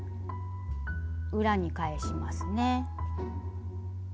裏に返しますね。